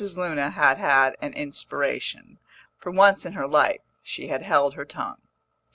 Luna had had an inspiration; for once in her life she had held her tongue.